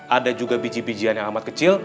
ada juga biji bijian yang amat kecil